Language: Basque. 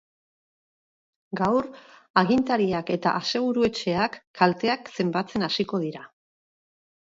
Gaur, agintariak eta aseguru-etxeak kalteak zenbatzen hasiko dira.